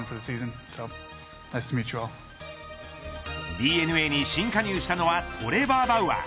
ＤｅＮＡに新加入したのはトレバー・バウアー。